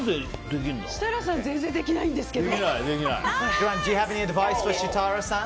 設楽さんが全然できないんですけど。